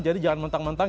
jadi jangan mentang mentang